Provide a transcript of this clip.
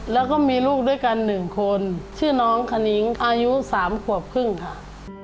แล้วก็มีลูกด้วยกัน๑คนชื่อน้องขนิ้งอายุ๓ขวบครึ่งค่ะ